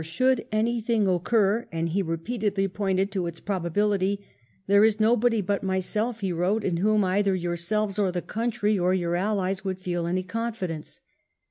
should aojihing occur, and be repeatedly pcmited to its probability, ^Uiere is nobody but myself," be wrote, ^^in whom eidier yonnelTes or the eoantry, or yoor alliei^ would {eel any confidence."